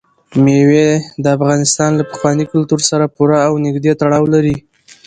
مېوې د افغانستان له پخواني کلتور سره پوره او نږدې تړاو لري.